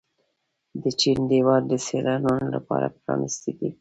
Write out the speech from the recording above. د چین دیوار د سیلانیانو لپاره پرانیستی دی.